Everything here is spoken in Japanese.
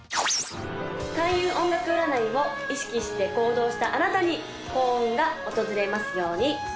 開運音楽占いを意識して行動したあなたに幸運が訪れますように！